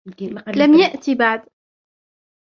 لم يأتِ بعد.